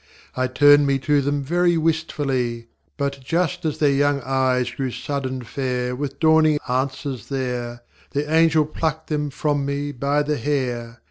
I turned me to them very wistfully; But just as their young eyes grew sudden fair With dawning answers there, Their angel plucked them from me by the hair.